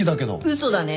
嘘だね！